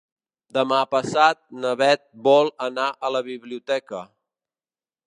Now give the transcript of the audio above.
Demà passat na Bet vol anar a la biblioteca.